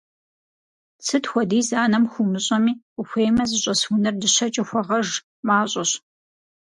Сыт хуэдиз анэм хуумыщӀэми, ухуеймэ зыщӀэс унэр дыщэкӀэ хуэгъэж – мащӀэщ.